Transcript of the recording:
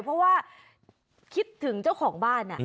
เพราะว่าคิดถึงเจ้าของบ้าน